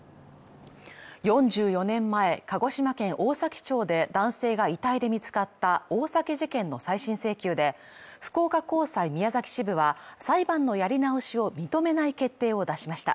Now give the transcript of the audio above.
４４年前、鹿児島県大崎町で男性が遺体で見つかった大崎事件の再審請求で、福岡高裁宮崎支部は裁判のやり直しを認めない決定を出しました。